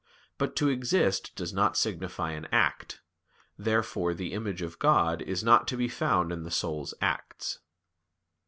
But to exist does not signify an act. Therefore the image of God is not to be found in the soul's acts.